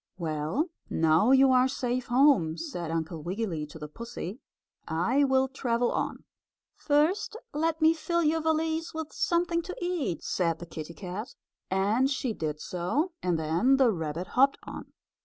"Well, now you are safe home," said Uncle Wiggily to the pussy, "I will travel on." "First, let me fill your valise with something to eat," said the kittie cat, and she did so, and then the rabbit hopped on.